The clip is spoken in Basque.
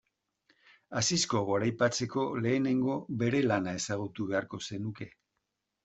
Asisko goraipatzeko lehenengo bere lana ezagutu beharko zenuke.